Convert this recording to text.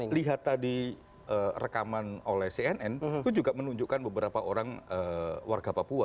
kalau kita lihat tadi rekaman oleh cnn itu juga menunjukkan beberapa orang warga papua